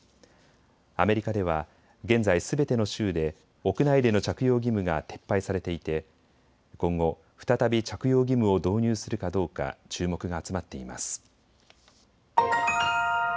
アメリカでは現在、すべての州で屋内での着用義務が撤廃されていて今後、再び着用義務を導入するかどうか注目が集まっています。